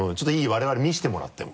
我々見せてもらっても。